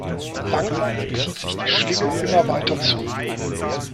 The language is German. Langsam zieht sich die Schlinge immer weiter zu.